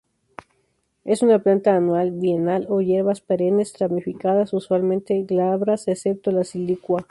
Es una planta anual, bienal o hierbas perennes, ramificadas, usualmente glabras excepto la silicua.